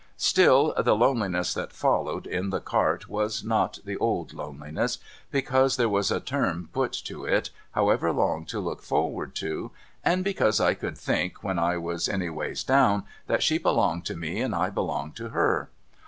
Still, the loneliness that followed in the cart was not the old loneliness, because there was a term put to it, however long to look forward to ; and because I could think, when I was anyways down, that she belonged to me and I belonged to her.